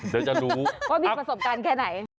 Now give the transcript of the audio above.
เดี๋ยวจะรู้ว่ามีประสบการณ์แค่ไหน